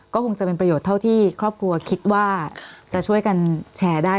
ก็คงจะเป็นประโยชน์เท่าที่ครอบครัวคิดว่าจะช่วยกันแชร์ได้